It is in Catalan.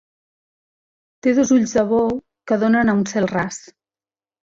Té dos ulls de bou que donen a un cel ras.